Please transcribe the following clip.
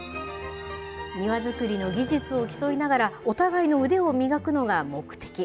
庭造りの技術を競いながら、お互いの腕を磨くのが目的。